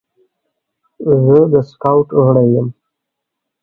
زه د سکاوټ غړی یم.